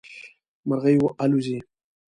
مرغی الوزي